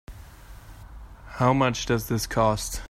How much does this cost?